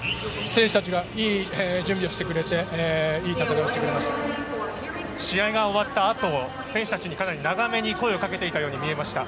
選手たちがいい準備をしてくれて試合が終わったあとかなり長めに選手たちに声をかけていたように見えました。